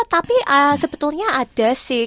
tapi sebetulnya ada sih